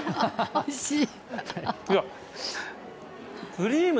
おいしい。